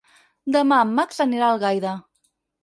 Demà en Max anirà a Algaida.